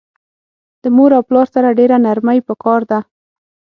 د مور او پلار سره ډیره نرمی پکار ده